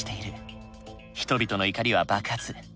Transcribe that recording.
人々の怒りは爆発。